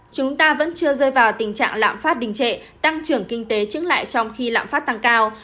chúng ta vẫn chưa rơi vào tình trạng lạm phát đình trệ tăng trưởng kinh tế chứng lại trong khi lạm phát tăng cao